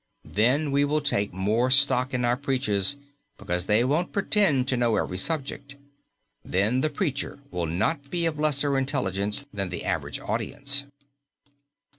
Then we will take more stock in our preachers because they won't pretend to know every subject. Then the preacher will not be of lesser intelligence than the average audience.